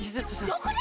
どこだ！